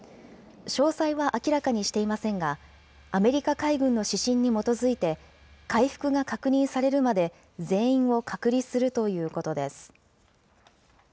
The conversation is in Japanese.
詳細は明らかにしていませんが、アメリカ海軍の指針に基づいて、回復が確認されるまで全員を隔離するということです。